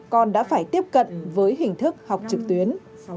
con đã phải tiếp cận với hình thức học trực tuyến